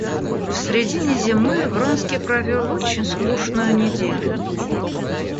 В средине зимы Вронский провел очень скучную неделю.